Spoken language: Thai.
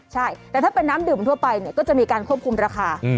ใช่แต่ถ้าเป็นน้ำดื่มทั่วไปเนี่ยก็จะมีการควบคุมราคา